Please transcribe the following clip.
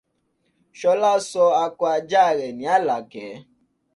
Ṣọlá sọ akọ ajá rẹ̀ ni àlàkẹ́.